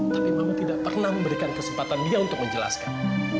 tapi mama tidak pernah memberikan kesempatan dia untuk menjelaskan